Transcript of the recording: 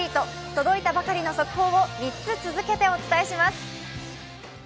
届いたばかりの速報を３つ続けてお伝えします。